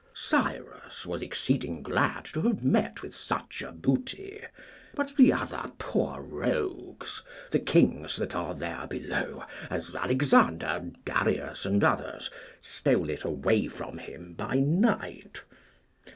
Cyrus was exceeding glad to have met with such a booty; but the other poor rogues, the kings that are there below, as Alexander, Darius, and others, stole it away from him by night.